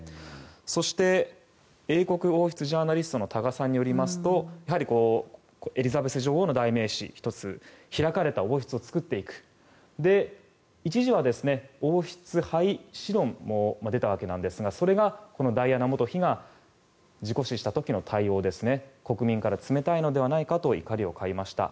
そして英国王室ジャーナリストの多賀さんによりますとエリザベス女王の代名詞の１つ開かれた王室を作っていく一時は王室廃止論も出たわけなんですがそれがダイアナ元妃が事故死した時の対応ですね国民から、冷たいのではないかと怒りを買いました。